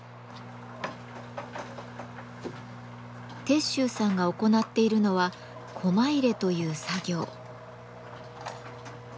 鉄舟さんが行っているのはコマ入れという作業。